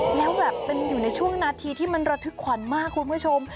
แล้วแบบเป็นอยู่ในช่วงนาทีที่มันระทึกขวัญมากคุณผู้ชม